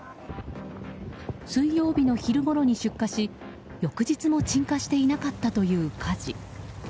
水曜日の昼ごろに出火し翌日も鎮火していなかったという火事。